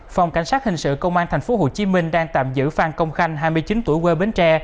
phòng cảnh sát hình sự công an tp hcm đang tạm giữ phan công khanh hai mươi chín tuổi quê bến tre